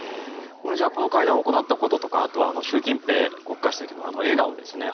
じゃあこの会談を行ったこととかあとは習近平国家主席のあの笑顔ですね。